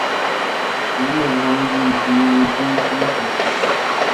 培養孩子成為終身學習者